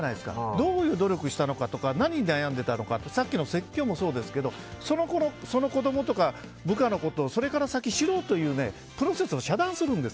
どういう努力をしたのか何に悩んでたのかってさっきの説教もそうですけどその子供とか部下のことをそれから先、知ろうというプロセスを遮断するんです。